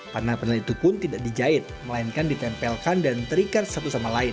panel panel itu pun tidak dijahit melainkan ditempelkan dan terikat satu sama lain